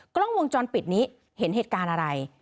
กล้องวงจรปิดนี้เห็นเหตุการณ์อะไร